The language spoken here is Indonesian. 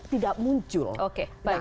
tidak muncul oke baik